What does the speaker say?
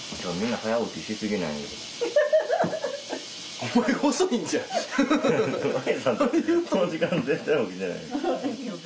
この時間全然起きてない。